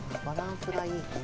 バランスがいい。